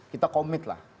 kita komit lah